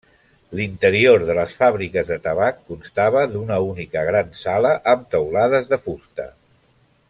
L'interior de les fàbriques de tabac constava d'una única gran sala amb teulades de fusta.